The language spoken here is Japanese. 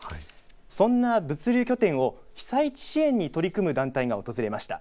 そんな物流拠点を被災地支援に取り組む団体が訪れました。